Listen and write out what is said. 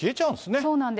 そうなんです。